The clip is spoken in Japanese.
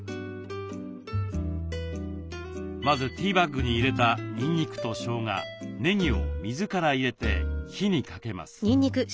まずティーバッグに入れたにんにくとしょうがねぎを水から入れて火にかけます。